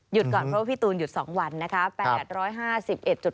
ก่อนเพราะว่าพี่ตูนหยุด๒วันนะคะ